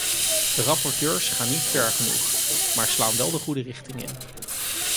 De rapporteurs gaan niet ver genoeg, maar slaan wel de goede richting in.